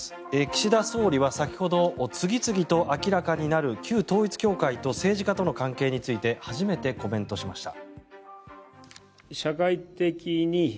岸田総理は先ほど次々と明らかになる旧統一教会と政治家との関係について初めてコメントしました。